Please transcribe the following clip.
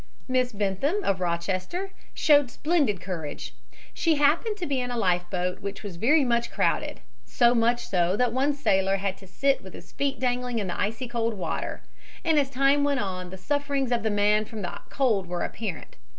Miss Bentham, of Rochester, showed splendid courage. She happened to be in a life boat which was very much crowded so much so that one sailor had to sit with his feet dangling in the icy cold water, and as time went on the sufferings of the man from the cold were apparent.